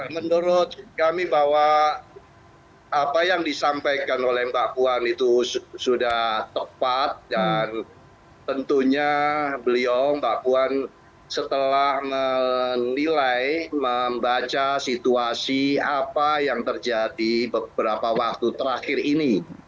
menurut kami bahwa apa yang disampaikan oleh mbak puan itu sudah tepat dan tentunya beliau mbak puan setelah menilai membaca situasi apa yang terjadi beberapa waktu terakhir ini